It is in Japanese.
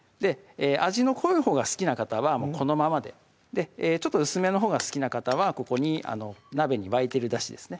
味の濃いほうが好きな方はこのままでちょっと薄めのほうが好きな方はここに鍋に沸いてるだしですね